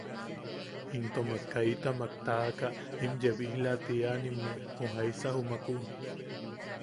Into mak kaita mak taʼaka im yebijla ti eanimme, o jaisa jumaku...